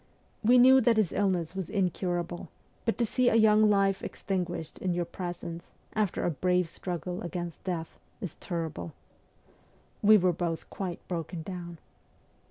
We knew that his illness was incurable, but to see a young life extinguished in your presence, after a brave struggle against death, is terrible. "We both were quite broken down.